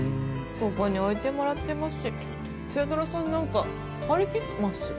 ここに置いてもらってますし星太郎さんなんか張り切ってますし。